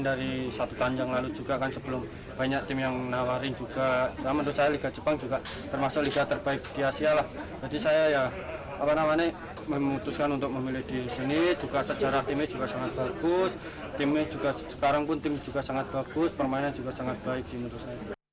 cara timnya juga sangat bagus sekarang pun timnya juga sangat bagus permainan juga sangat baik sih menurut saya